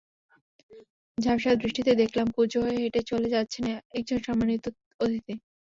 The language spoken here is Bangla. ঝাপসা দৃষ্টিতে দেখলাম কুঁজো হয়ে হেঁটে চলে যাচ্ছেন একজন সম্মানিত অতিথি।